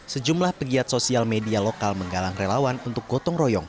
sejumlah pegiat sosial media lokal menggalang relawan untuk gotong royong